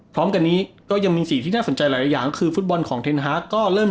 พร้อมกันนี้ก็ยังมีสิ่งที่น่าสนใจหลายอย่างคือฟุตบอลของเทนฮาร์กก็เริ่ม